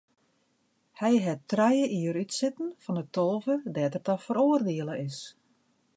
Hy hat trije jier útsitten fan de tolve dêr't er ta feroardiele is.